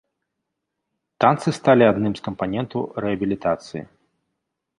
Танцы сталі адным з кампанентаў рэабілітацыі.